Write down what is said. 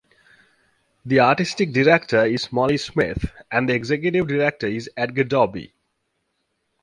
The Artistic Director is Molly Smith and the Executive Director is Edgar Dobie.